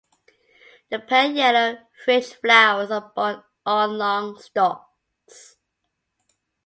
The pale yellow, fringed flowers are borne on long stalks.